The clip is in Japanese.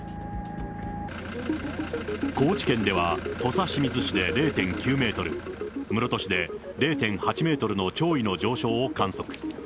高知県では土佐清水市で０．９メートル、室戸市で０．８メートルの潮位の上昇を観測。